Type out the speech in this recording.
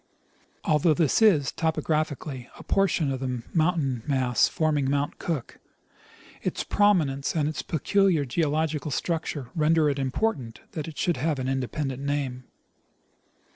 Although this is, topographically, a portion of the mountain mass forming Mount Cook, its prominence and its peculiar geological structure render it important that it should have an independent name.